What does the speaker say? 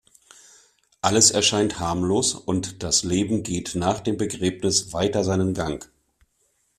Alles erscheint harmlos, und das Leben geht nach dem Begräbnis weiter seinen Gang.